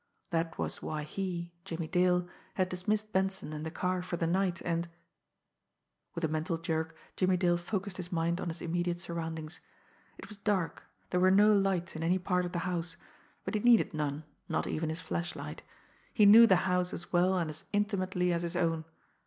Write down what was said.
That was why he, Jimmie Dale, had dismissed Benson and the car for the night, and With a mental jerk, Jimmie Dale focused his mind on his immediate surroundings. It was dark; there were no lights in any part of the house, but he needed none, not even his flashlight he knew the house as well and as intimately as his own.